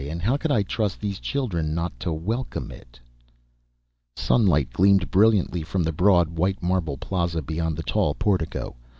And how could I trust these children not to welcome it? Sunlight gleamed brilliantly from the broad, white marble plaza beyond the tall portico.